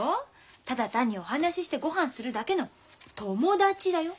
ただ単にお話ししてごはんするだけの友達だよ。